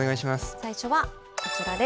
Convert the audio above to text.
最初はこちらです。